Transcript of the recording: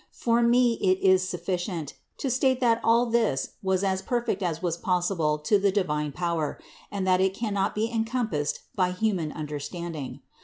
For me it is sufficient to state that all this was as perfect as was possible to the divine power and that it cannot be encompassed by hu man understanding.